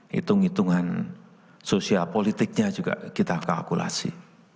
hitung hitungan sosial politiknya juga kita kalkulasi